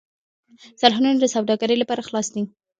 سرحدونه د سوداګرۍ لپاره خلاص دي.